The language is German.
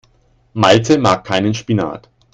Malte mag keinen Spinat.